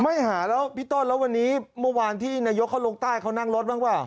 ไม่หาแล้วพี่ต้นแล้ววันนี้เมื่อวานที่นายกเขาลงใต้เขานั่งรถบ้างเปล่า